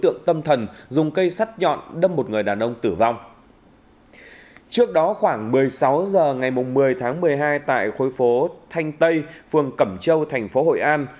trước đó khoảng một mươi sáu h ngày một mươi tháng một mươi hai tại khối phố thanh tây phường cẩm châu thành phố hội an